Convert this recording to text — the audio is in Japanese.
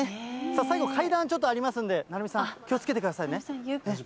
最後、階段ちょっとありますんで、鳴海さん、気をつけてくださいね。